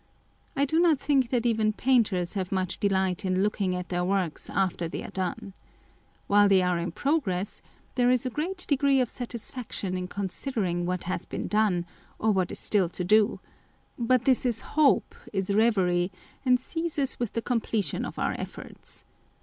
I do not think that even painters have much delight in looking at their works after they are done. While they are in progress, there is a great degree of satis faction in considering what has been done, or what is still to do â€" but this is hope, is reverie, and ceases with the completion of our efforts.